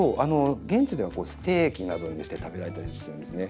現地ではステーキなどにして食べられたりしてるんですね。